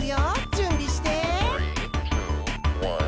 じゅんびして。